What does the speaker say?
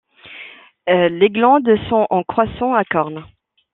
Les glandes sont en croissant à cornes.